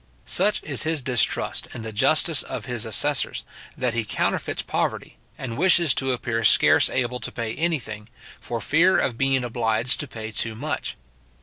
Such is his distrust in the justice of his assessors, that he counterfeits poverty, and wishes to appear scarce able to pay anything, for fear of being obliged to pay too much.